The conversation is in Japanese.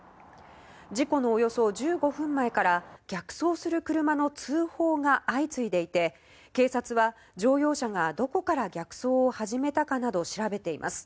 事故のおよそ１５分前から逆走する車の通報が相次いでいて警察は乗用車がどこから逆走を始めたかなど調べています。